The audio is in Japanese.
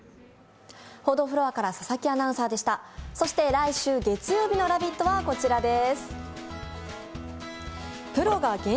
来週月曜日の「ラヴィット！」はこちらです。